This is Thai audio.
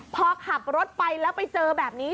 พอขับรถไปแล้วไปเจอแบบนี้